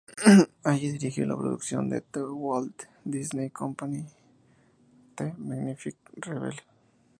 Allí dirigió la producción de The Walt Disney Company "The Magnificent Rebel".